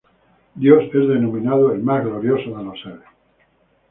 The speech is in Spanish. Dios es denominado "el más glorioso" de los seres.